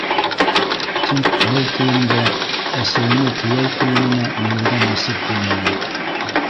Тик был кейемдә әсәйемә кейәү ҡуйынына инергә насип булманы.